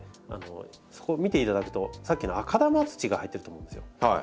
そこ見ていただくとさっきの赤玉土が入ってると思うんですよ。